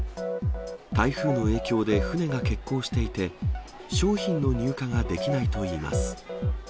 台風の影響で船が欠航していて、商品の入荷ができないといいます。